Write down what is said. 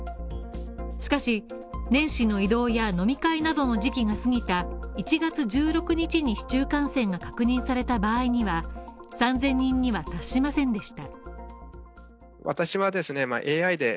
しかし、年始の移動や飲み会などの時期が過ぎた１月１６日に市中感染が確認された場合には、３０００人には達しませんでした。